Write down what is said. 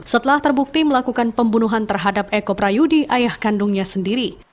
setelah terbukti melakukan pembunuhan terhadap eko prayudi ayah kandungnya sendiri